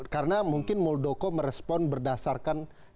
karena mungkin muldoko merespon berdasarkan